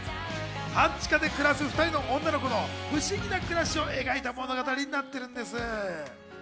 半地下で暮らす２人の女の子の不思議な暮らしを描いた物語になってるんです。